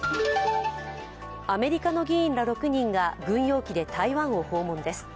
アメリカの議員ら６人が軍用機で台湾を訪問です。